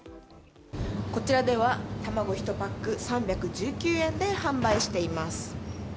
こちらでは卵１パック３１９円で販売しています。